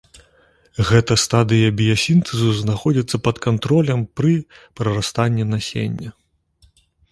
Гэта стадыя біясінтэзу знаходзіцца пад кантролем пры прарастанні насення.